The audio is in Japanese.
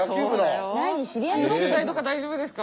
取材とか大丈夫ですか？